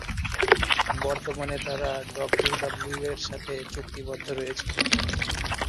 বর্তমানে তারা ডাব্লিউডাব্লিউইর সাথে চুক্তিবদ্ধ রয়েছে।